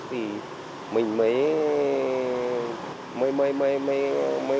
vì mình mới